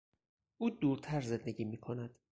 او دورتر زندگی میکند.